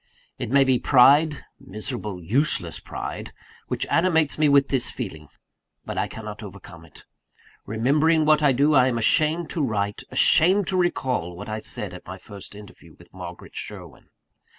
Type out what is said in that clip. It may be pride miserable, useless pride which animates me with this feeling: but I cannot overcome it. Remembering what I do, I am ashamed to write, ashamed to recall, what I said at my first interview with Margaret Sherwin.